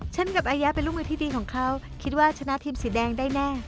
กับอายะเป็นลูกมือที่ดีของเขาคิดว่าชนะทีมสีแดงได้แน่